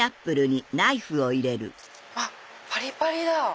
あっパリパリだ！